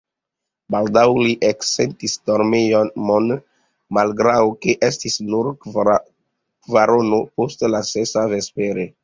Baldaŭ li eksentis dormemon, malgraŭ ke estis nur kvarono post la sesa vespere.